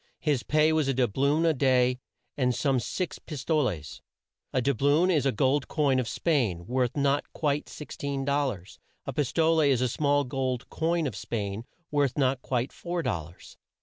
His pay was a doub loon a day, and some times six pis toles. A doub loon is a gold coin of Spain, worth not quite 16 dol lars. A pis tole is a small gold coin of Spain, worth not quite four dol lars.